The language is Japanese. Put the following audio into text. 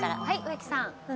はい植木さん。